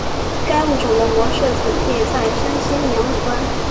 该物种的模式产地在山西娘子关。